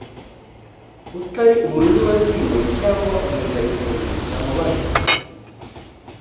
utari umunywi wa vino cyangwa umunyarukoni namubanze ibuye